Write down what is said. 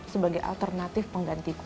sebagai alternatif pengganti kue